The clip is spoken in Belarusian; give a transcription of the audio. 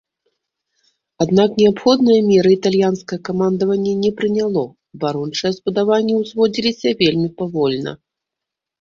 Аднак неабходныя меры італьянскае камандаванне не прыняло, абарончыя збудаванні ўзводзіліся вельмі павольна.